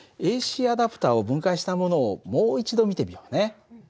ＡＣアダプターを分解したものをもう一度見てみようね。